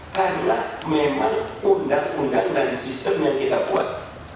karena memang undang undang dan sistem yang kita buat